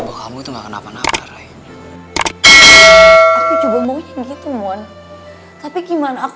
gak tau obar sama ni mana